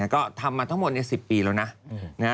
ก็ทำมาทั้งหมด๑๐ปีแล้วนะ